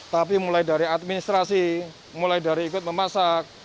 tapi mulai dari administrasi mulai dari ikut memasak